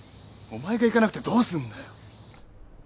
お前が行かなくてどうすんだよ？